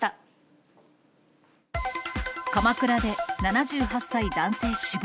鎌倉で７８歳男性死亡。